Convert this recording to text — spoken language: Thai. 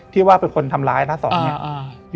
ที่ว่าเป็นคนทำร้ายนะสองเนี่ย